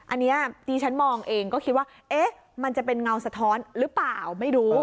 อันนี้ที่ฉันมองเองก็คิดว่าเอ๊ะมันจะเป็นเงาสะท้อนหรือเปล่าไม่รู้